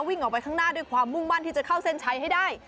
วิ่งออกไปข้างหน้าด้วยความมุ่งมั่นที่จะเข้าเส้นชัยให้ได้